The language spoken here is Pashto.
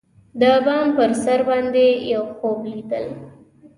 د بام پر سر باندی یوخوب لیدل